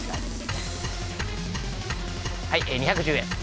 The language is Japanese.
はい２１０円。